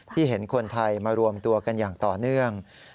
เห็นคนไทยมารวมตัวกันอย่างต่อเนื่อง